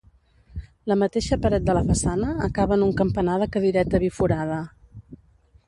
La mateixa paret de la façana acaba en un campanar de cadireta biforada.